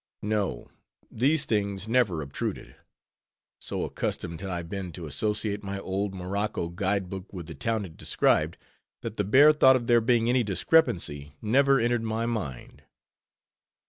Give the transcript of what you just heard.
No; these things never obtruded; so accustomed had I been to associate my old morocco guide book with the town it described, that the bare thought of there being any discrepancy, never entered my mind.